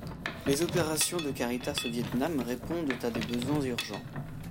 Les opérations de Caritas au Viêt Nam répondent à des besoins urgents.